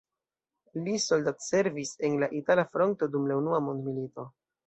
Li soldatservis en la itala fronto dum la unua mondmilito.